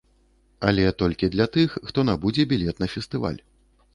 Але толькі для тых, хто набудзе білет на фестываль.